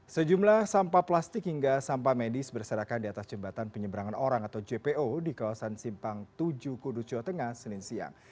sejumlah sampah plastik hingga sampah medis berserakan di atas jembatan penyeberangan orang atau jpo di kawasan simpang tujuh kudus jawa tengah senin siang